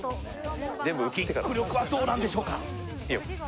キック力はどうなんでしょうか。